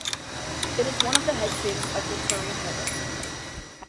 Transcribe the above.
It is one of the headstreams of the Tarim River.